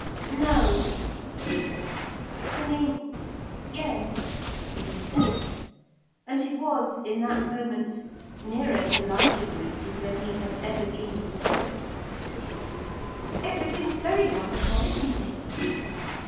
'No,' said Philip; 'I mean yes,' he said, and he was in that moment nearer to liking Lucy than he had ever been before; 'everything's very wonderful, isn't it?'